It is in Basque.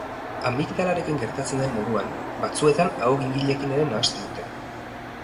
Amigdalarekin gertatzen den moduan, batzuetan aho-gingilekin nahasten dute.